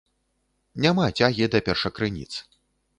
Няма цягі да першакрыніц.